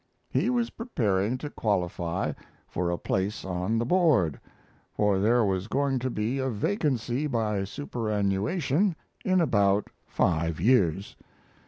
He was preparing to qualify for a place on the board, for there was going to be a vacancy by superannuation in about five years.